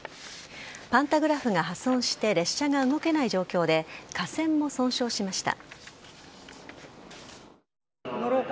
パンタグラフが破損して列車が動けない状況で架線も損傷しました。